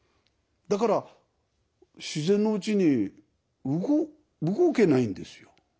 だから自然のうちに動けないんですよ。